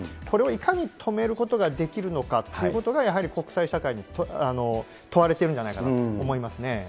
これをいかに止めることができるのかっていうことが、やはり国際社会に問われているんじゃないかと思いますね。